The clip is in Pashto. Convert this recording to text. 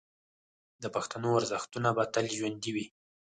د پښتنو ارزښتونه به تل ژوندي وي.